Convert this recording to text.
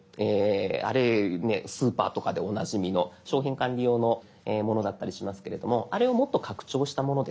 あれねスーパーとかでおなじみの商品管理用のものだったりしますけれどもあれをもっと拡張したものです。